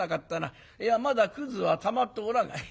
いやまだくずはたまっておらんが」。